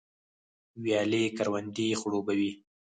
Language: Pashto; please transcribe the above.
ویالې کروندې خړوبوي